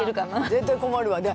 絶対困るわ。